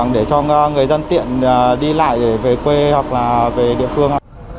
để cho người dân tiện đi lại để về quê hoặc là về địa phương